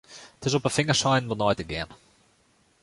It is op 'e fingerseinen wol nei te gean.